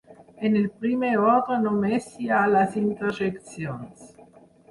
En el primer ordre només hi ha les interjeccions.